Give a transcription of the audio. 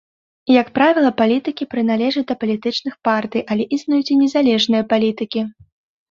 Як правіла, палітыкі прыналежаць да палітычных партый, але існуюць і незалежныя палітыкі.